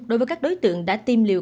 đối với các đối tượng đã tiêm liều